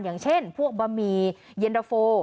อย่างเช่นพวกบะหมี่เย็นดาโฟ